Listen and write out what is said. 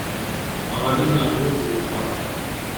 Ɣlin leḥyuḍ n wexxam.